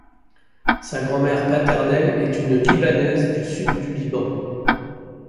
Sa grand-mère paternelle est une Libanaise du Sud du Liban.